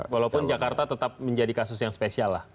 walaupun jakarta tetap menjadi kasus yang spesial lah